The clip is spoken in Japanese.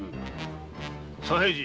左平次！